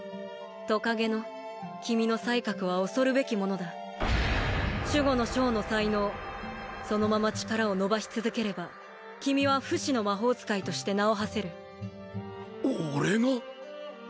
トカゲの君の才覚は恐るべきものだ守護の章の才能そのまま力を伸ばし続ければ君は不死の魔法使いとして名をはせる俺が？